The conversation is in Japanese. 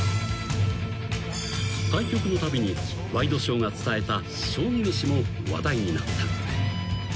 ［対局のたびにワイドショーが伝えた将棋めしも話題になった］